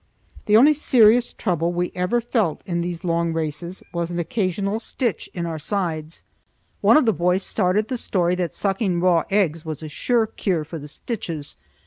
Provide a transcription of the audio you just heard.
The only serious trouble we ever felt in these long races was an occasional stitch in our sides. One of the boys started the story that sucking raw eggs was a sure cure for the stitches.